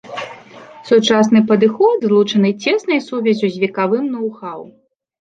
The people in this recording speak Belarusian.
Сучасны падыход злучаны цеснай сувяззю з векавым ноу-хау.